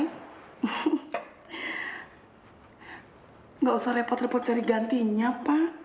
tidak usah repot repot cari gantinya pak